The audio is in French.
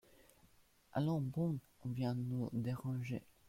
Allons, bon ! on vient nous déranger !